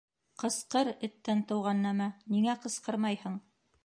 Ҡысҡыр, эттән тыуған нәмә, ниңә ҡысҡырмайһың?